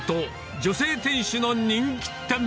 女性店主の人気店。